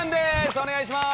お願いします！